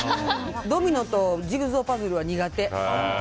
ドミノとジグソーパズルは苦手。